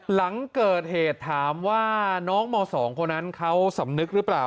หลังเกิดเหตุถามว่าน้องม๒คนนั้นเขาสำนึกหรือเปล่า